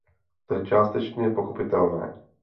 To je částečně pochopitelné.